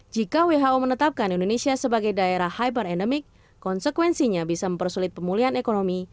jika who menetapkan indonesia sebagai daerah hyperendemik konsekuensinya bisa mempersulit pemulihan ekonomi